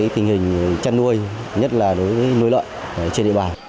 tình hình chăn nuôi nhất là đối với nuôi lợi